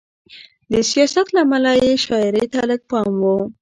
د سیاست له امله یې شاعرۍ ته لږ پام و.